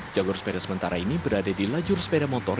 jalur sepeda sementara ini berada di lajur sepeda motor